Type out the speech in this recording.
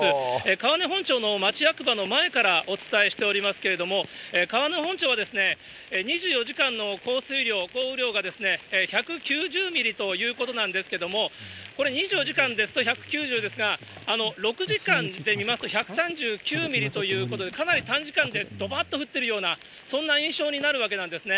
川根本町の町役場の前からお伝えしておりますけれども、川根本町は、２４時間の降水量、降雨量が１９０ミリということなんですけれども、これ、２４時間ですと１９０ですが、６時間で見ますと、１３９ミリということで、かなり短時間で、どばっと降ってるような、そんな印象になるわけなんですね。